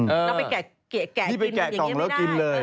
เออที่ไปแกะกล่องแล้วกินเลย